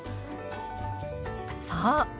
そう！